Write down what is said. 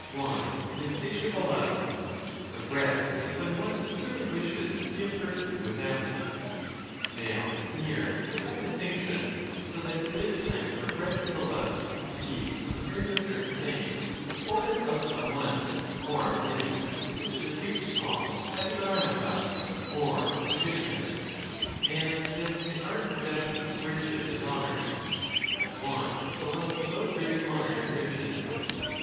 Want an insatiable lust. Regret is when one eagerly wishes to see a person who is absent. Now here they have a distinction ; so that with them regret is a lust con ceived on hearing of certain things reported of some one, or of many, which the Greeks call xarnyophpara, or predic aments; as that they are in possession of riches and hon ors: but want is a lust for those very honors and riches.